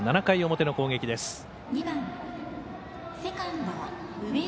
７回表の攻撃です。